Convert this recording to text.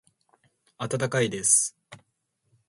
温かいです。